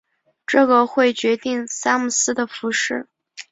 这个会决定萨姆斯的服饰。